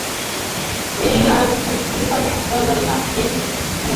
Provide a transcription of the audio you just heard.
তিনি আর খলিফার দরবারে না গিয়ে বিভিন্ন স্থানে ঘুরতে থাকেন।